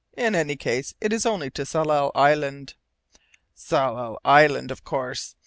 In any case it is only to Tsalal Island " "Tsalal Island, of course.